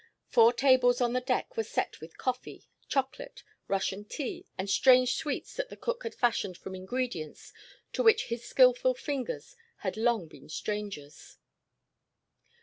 Four tables on the deck were set with coffee, chocolate, Russian tea, and strange sweets that the cook had fashioned from ingredients to which his skilful fingers had long been strangers.